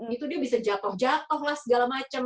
itu dia bisa jatoh jatoh lah segala macem